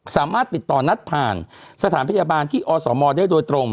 สามารถติดต่อนัดผ่านสถานพยาบาลที่อสมได้โดยตรง